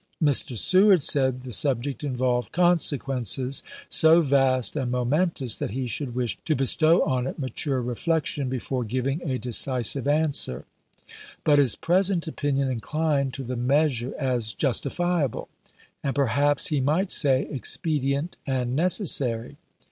Mr. Seward said the subject involved consequences so vast and momentous that he should wish to bestow on it mature reflection be fore giving a decisive answer; but his present opinion inclined to the measure as justifiable, and perhaps he might say expedient and necessary.